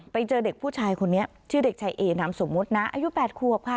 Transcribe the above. ไปเจอเด็กผู้ชายคนนี้ชื่อเด็กชายเอนามสมมุตินะอายุ๘ขวบค่ะ